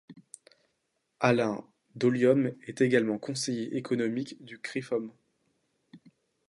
Alain Dolium est également Conseiller économique du Crefom.